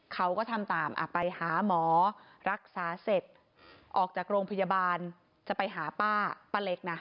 เขาก็ทำตามไปหาหมอรักษาเสร็จออกจากโรงพยาบาลจะไปหาป้าป้าเล็กนะ